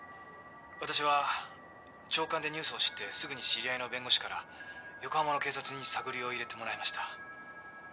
「私は朝刊でニュースを知ってすぐに知り合いの弁護士から横浜の警察に探りを入れてもらいました」